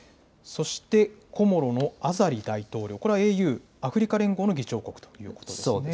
そしてコモロのアザリ大統領、これはＡＵ・アフリカ連合の議長国ということですね。